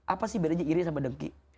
apa sih bedanya iri sama dengki